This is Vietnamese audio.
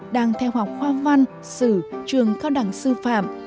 đang theo học khoa văn sử trường cao đẳng sư phạm